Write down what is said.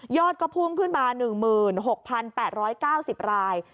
ยอดกระพรพุ่งขึ้นมาหนึ่งหมื่นหกพันแปดร้อยเก้าสิบราย